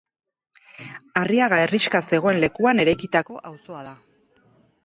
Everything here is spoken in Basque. Arriaga herrixka zegoen lekuan eraikitako auzoa da.